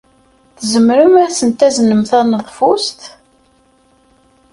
Tzemrem ad asent-taznem taneḍfust?